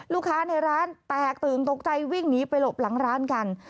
ลูกค้าในร้านแตกตื่นตกใจวิ่งหนีไปหลบหลังร้านกัน